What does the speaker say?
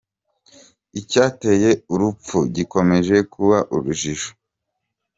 Icyateye uru rupfu gikomeje kuba urujijo.